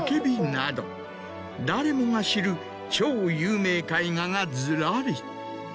誰もが知る超有名絵画がずらり。